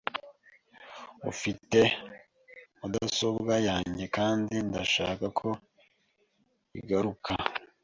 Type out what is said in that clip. Ufite mudasobwa yanjye kandi ndashaka ko igaruka .